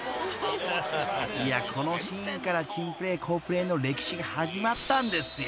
［いやこのシーンから『珍プレー好プレー』の歴史が始まったんですよ］